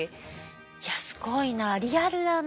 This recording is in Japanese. いやすごいなリアルだな。